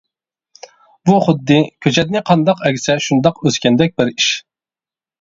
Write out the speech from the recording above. بۇ خۇددى كۆچەتنى قانداق ئەگسە شۇنداق ئۆسكەندەك بىر ئىش.